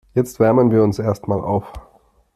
Jetzt wärmen wir uns erstmal auf.